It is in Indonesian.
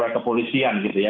kepolisian gitu ya